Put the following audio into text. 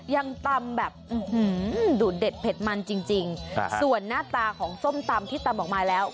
ยังตำแบบดูดเด็ดเผ็ดมันจริงจริงส่วนหน้าตาของส้มตำที่ตำออกมาแล้ว